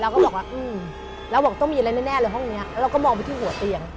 เราก็บอกว่าอืมแล้วบอกต้องมีอะไรแน่แน่เลยห้องเนี้ยแล้วเราก็มองไปที่หัวเตียง